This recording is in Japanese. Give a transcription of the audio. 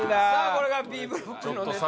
これがＢブロックのネタ